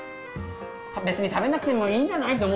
別に食べなくてもいいんじゃないと思う人？